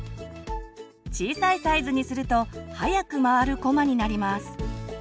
小さいサイズにすると速く回るこまになります。